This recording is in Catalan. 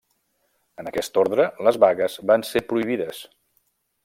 En aquest ordre, les vagues van ser prohibides.